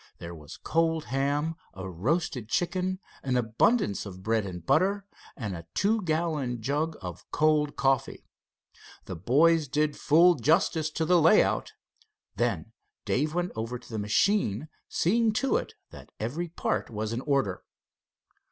There was cold ham, a roasted chicken, an abundance of bread and butter, and a two gallon jug of cold coffee. The boys did full justice to the layout. Then Dave went over the machine, seeing to it that every part was in order.